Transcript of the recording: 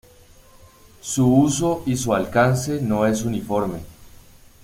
Su uso y su alcance no es uniforme.